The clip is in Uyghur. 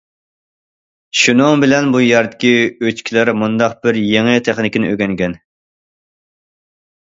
شۇنىڭ بىلەن بۇ يەردىكى ئۆچكىلەر مۇنداق بىر يېڭى تېخنىكىنى ئۆگەنگەن.